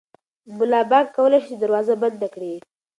ملا بانګ کولی شي چې دروازه بنده کړي.